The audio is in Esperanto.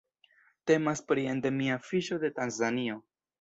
Temas pri endemia fiŝo de Tanzanio.